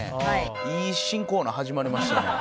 いい新コーナー始まりましたね。